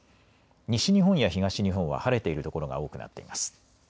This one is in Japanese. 西日本や東日本は晴れている所が多くなっています。